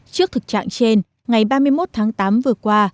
trước thực trạng trên ngày ba mươi một tháng tám vừa qua